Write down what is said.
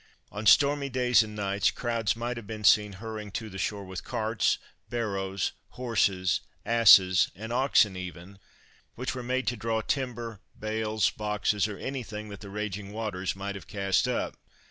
On stormy days and nights, crowds might have been seen hurrying to the shore with carts, barrows, horses, asses, and oxen even, which were made to draw timber, bales, boxes, or anything that the raging waters might have cast up.